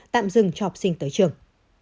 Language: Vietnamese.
tạm dừng cho học sinh tới trường